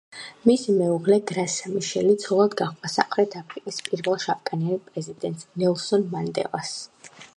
მისი მეუღლე გრასა მაშელი ცოლად გაჰყვა სამხრეთ აფრიკის პირველ შავკანიან პრეზიდენტს ნელსონ მანდელას.